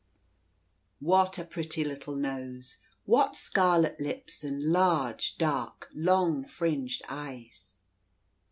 What a pretty little nose! what scarlet lips, and large, dark, long fringed eyes!